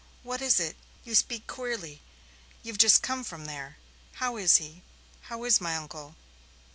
"What is it? You speak queerly. You've just come from there. How is he how is my uncle?"